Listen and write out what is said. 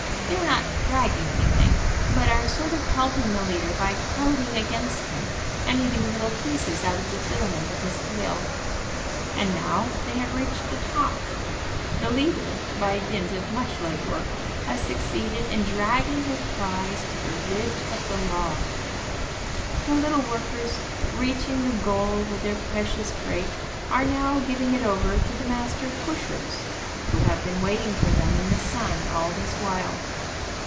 They are not dragging anything, but are sort of helping the leader by crowding against him and eating little pieces out of the filament of his tail. And now they have reached the top. The leader, by dint of much leg work, has succeeded in dragging his prize to the ridge of the log. The little workers, reaching the goal with their precious freight, are now giving it over to the Master Pushers, who have been waiting for them in the sun all this while.